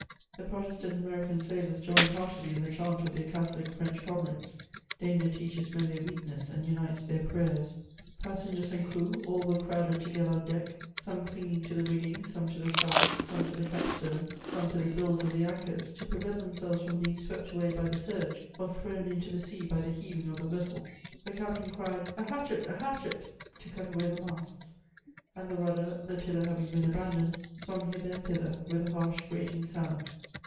The Protestant American sailors joined heartily in the channt of their GathoHc French comrades ; danger teaches men their weak ness and unites their prayers. Passengers and crew, all were crowded together on deck, some clinging to the rigging, some to the sides, some to the capstem, some to the bills of the anchors, to prevent themselves from being swept away by the surge, or thrown into the sea by the heaving of the vessel. The captain cried, '' A hatchet ! a hatchet!" to cut away the masts ; and the rudder, the tiller having been abandoned, swung hither and thither with a harsh grating sound.